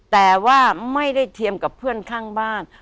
แต่ว่าไม่ได้เทียมกับเพื่อนข้างบ้าน